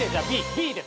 Ｂです。